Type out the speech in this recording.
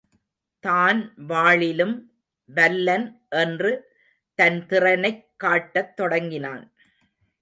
தான் வாளிலும் வல்லன் என்று தன் திறனைக் காட்டத் தொடங்கினான்.